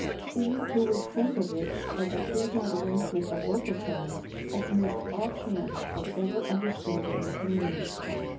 He who would think of it as a pleasing arrangement of vocal sounds has missed all chance of ever understanding its meaning.